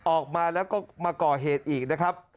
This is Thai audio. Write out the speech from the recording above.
ออกมาแล้วก็มาก่อเหตุอีกนะครับ